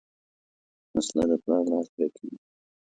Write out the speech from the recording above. وسله د پلار لاس پرې کوي